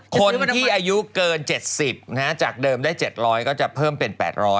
คนที่อายุเกิน๗๐จากเดิมได้๗๐๐ก็จะเพิ่มเป็น๘๐๐